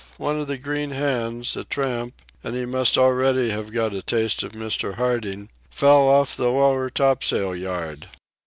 One of the green hands, a tramp—and he must already have got a taste of Mr. Harding—fell off the lower topsail yard.